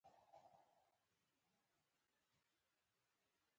پر ارزښتناکو قلمي کارونو ټینګار کاوه.